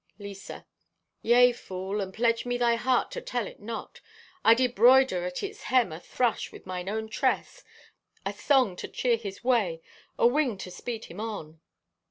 (Lisa) "Yea, fool, and pledge me thy heart to tell it not, I did broider at its hem a thrush with mine own tress—a song to cheer his way, a wing to speed him on."